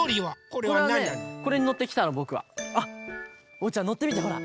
おうちゃんのってみてほら。